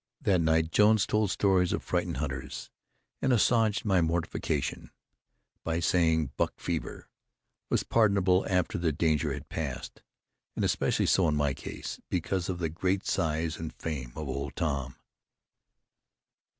That night Jones told stories of frightened hunters, and assuaged my mortification by saying "buck fever" was pardonable after the danger had passed, and especially so in my case, because of the great size and fame of Old Tom.